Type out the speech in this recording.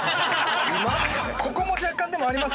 ここも若干でもあります